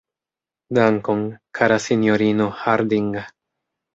Dankon, kara sinjorino Harding.